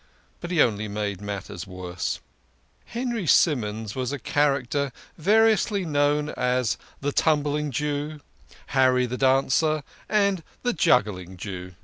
But he only made matters worse. Henry Simons was a character variously known as the Tumbling Jew, Harry the Dancer, and the Juggling Jew.